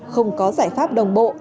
không có giải pháp đồng bộ